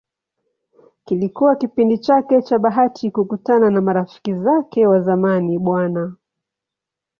Kilikuwa kipindi chake cha bahati kukutana na marafiki zake wa zamani Bw.